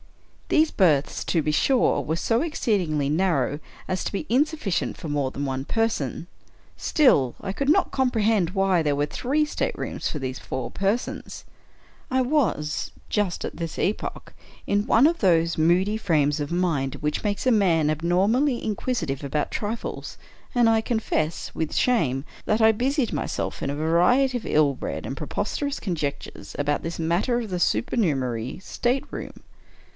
These berths, to be sure, were so exceedingly narrow as to be insufficient for more than one person; still, I could not comprehend why there were three staterooms for these four persons. I was, just at that epoch, in one of those moody frames of mind which make a man abnormally in quisitive about trifles: and I confess, with shame, that I busied myself in a variety of ill bred and preposterous con jectures about this matter of the supernumerary stateroom.